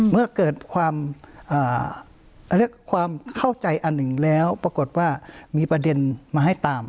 เมื่อเกิดความเรียกความเข้าใจอันหนึ่งแล้วปรากฏว่ามีประเด็นมาให้ตาม